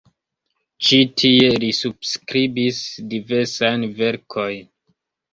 Ĉi tie li subskribis diversajn verkojn.